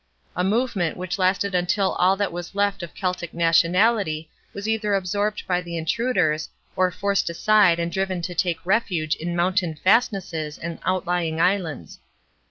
A movement which lasted until all that was left of Celtic nationality was either absorbed by the intruders, or forced aside and driven to take refuge in mountain fastnesses and outlying islands.